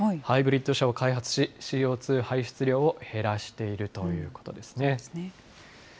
ハイブリッド車を開発し、ＣＯ２排出量を減らしているということですね。